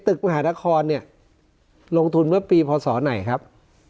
ตึกมหาดครลงทุนเมื่อปีพอศไหนครับ